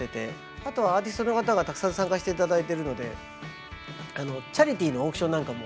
あとはアーティストの方がたくさん参加していただいてるのでチャリティーのオークションなんかも。